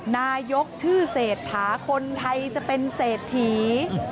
นายกชื่อเศรษฐาคนไทยจะเป็นเศรษฐี